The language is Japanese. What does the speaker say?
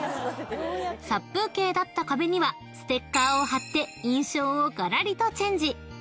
［殺風景だった壁にはステッカーを貼って印象をがらりとチェンジ］